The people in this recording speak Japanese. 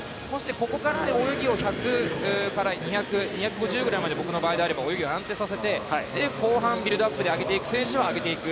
ここから泳ぎを１００から２５０ぐらいまで僕の場合は泳ぎを安定させて後半、ビルドアップで上げていく選手はあげていく。